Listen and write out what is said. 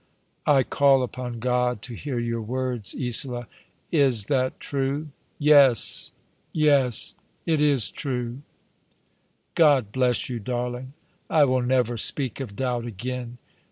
I call upon God to hear your words, Isola. Is that truo ?"" Yes, yes ; it is true." "God bless you, darling! I will never speak of doubt again.